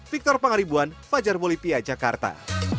victor pangaribuan fajar bolivia jakarta